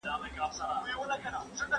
مثبت فکر راتلونکی نه دروي.